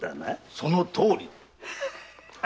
そのとおり！